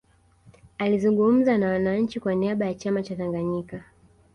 alizungumza na wananchi kwa niaba ya chama cha tanganyika